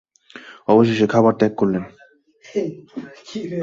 অবশেষে খাবার ত্যাগ করলেন।